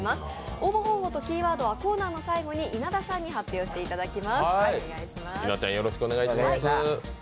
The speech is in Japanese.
応募方法とキーワードはコーナーの最後に稲田さんに発表していただきます。